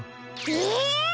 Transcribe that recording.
え！？